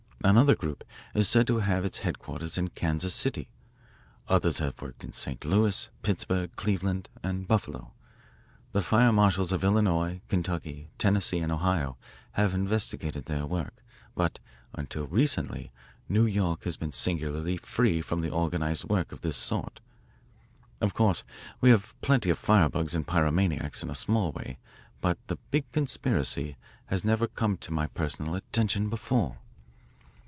Another group is said to have its headquarters in Kansas City. Others have worked in St. Louis, Pittsburgh, Cleveland, and Buffalo. The fire marshals of Illinois, Kentucky, Tennessee, and Ohio have investigated their work. But until recently New York has been singularly free from the organised work of this sort. Of course we have plenty of firebugs and pyromaniacs in a small way, but the big conspiracy has never come to my personal attention before.